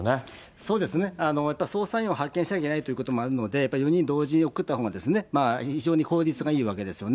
そうですね、やっぱり捜査員を派遣しなきゃいけないということもあるので、やっぱり４人同時に送ったほうが、非常に効率がいいわけですよね。